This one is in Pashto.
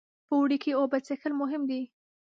په اوړي کې اوبه څښل مهم دي.